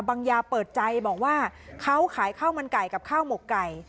ยาเปิดใจบอกว่าเขาขายข้าวมันไก่กับข้าวหมกไก่